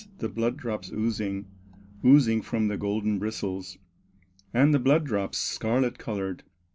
the blood drops oozing, Oozing from the golden bristles, And the blood drops, scarlet colored.